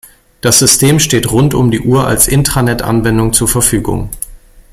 Das System steht rund um die Uhr als Intranet-Anwendung zur Verfügung.